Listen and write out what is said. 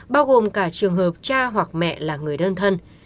bao gồm cả trường hợp cha hoặc mẹ là người đơn thân